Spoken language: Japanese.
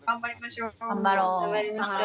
頑張りましょう。